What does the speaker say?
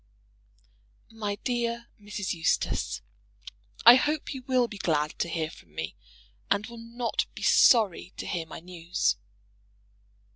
MY DEAR MRS. EUSTACE, I hope you will be glad to hear from me, and will not be sorry to hear my news.